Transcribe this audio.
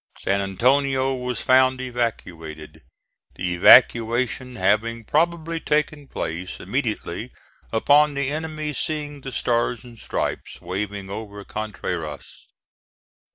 San Antonio was found evacuated, the evacuation having probably taken place immediately upon the enemy seeing the stars and stripes waving over Contreras.